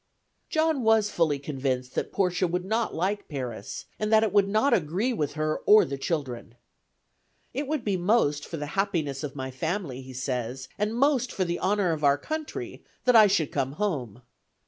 John was fully convinced that Portia would not like Paris, and that it would not agree with her or the children. "It would be most for the happiness of my family," he says, "and most for the honor of our country, that I should come home.